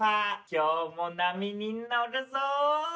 今日も波に乗るぞ。